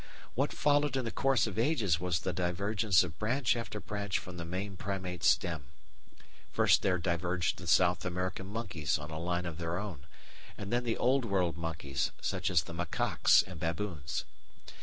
What followed in the course of ages was the divergence of branch after branch from the main Primate stem. First there diverged the South American monkeys on a line of their own, and then the Old World monkeys, such as the macaques and baboons.